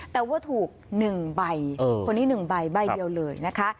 แต่ว่าถูกหนึ่งใบเออคนนี้หนึ่งใบใบเดียวเลยนะคะ